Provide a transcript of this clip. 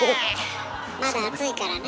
まだ暑いからね。